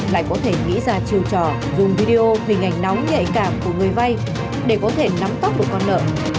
lại có thể nghĩ ra chiều trò dùng video hình ảnh nóng nhạy cảm của người vay để có thể nắm tóc được con nợ